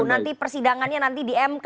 nanti persidangannya nanti di mk